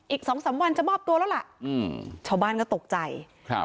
อีกสองสามวันจะมอบตัวแล้วล่ะอืมชาวบ้านก็ตกใจครับ